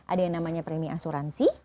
ada yang namanya premi asuransi